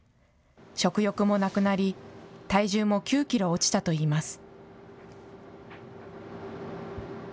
食欲もなくなり、体重も９キロ落ちたといいます。